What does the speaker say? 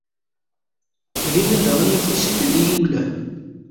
Dinna daɣen, afus-ik ad iyi-iwelleh.